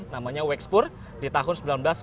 namanya wexpoor di tahun seribu sembilan ratus tiga